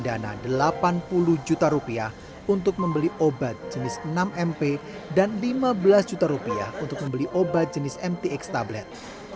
dana delapan puluh juta rupiah untuk membeli obat jenis enam mp dan lima belas juta rupiah untuk membeli obat jenis mtx tablet